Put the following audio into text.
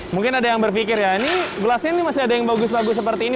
mungkin ada yang berpikir ya ini gelasnya ini masih ada yang bagus bagus seperti ini